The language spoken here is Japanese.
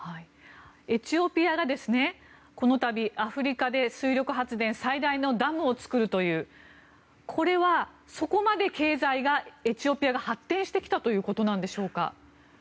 エチオピアがこの度、アフリカで水力発電で最大のダムを造るというこれはそこまで経済がエチオピアが発展してきたということなんでしょうか。